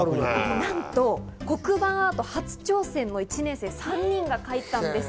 なんと黒板アート初挑戦の１年生３人が描いたんです。